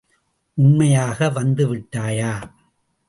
உண்மையாக வந்து விட்டாயா?